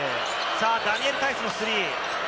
ダニエル・タイスのスリー。